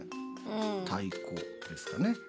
太鼓ですかね。